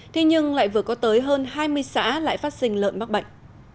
thế nhưng lại vừa có tới hơn hai mươi xã lại phát sinh lợn mắc bệnh